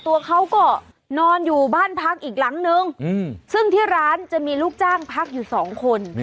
ตัวเขาก็นอนอยู่บ้านพักอีกหลังนึงซึ่งที่ร้านจะมีลูกจ้างพักอยู่สองคน